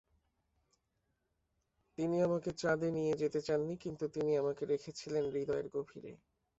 তিনি আমাকে চাঁদে নিয়ে যেতে চাননি, কিন্তু তিনি আমাকে রেখেছিলেন হূদয়ের গভীরে।